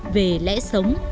về lẽ sống